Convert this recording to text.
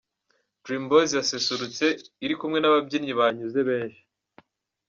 Dream Boys yaserutse iri kumwe n’ababyinnyi banyuze benshi.